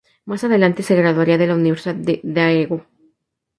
Más adelante se graduaría de la Universidad de Daegu.